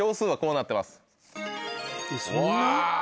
うわ。